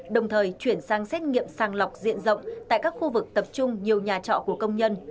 đồng thời chuyển sang xét nghiệm sàng lọc diện rộng tại các khu vực tập trung nhiều nhà trọ của công nhân